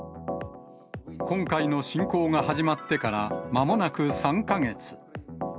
今回の侵攻が始まってからまもなく３か月。